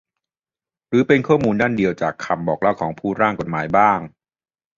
หรือเป็นข้อมูลด้านเดียวจากคำบอกเล่าของผู้ร่างกฎหมายบ้าง